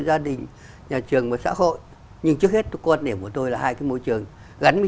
gia đình nhà trường và xã hội nhưng trước hết quan điểm của tôi là hai cái môi trường gắn với